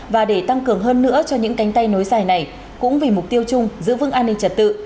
và để tăng cường hơn nữa cho những cánh tay nối dài này cũng vì mục tiêu chung giữ vững an ninh trật tự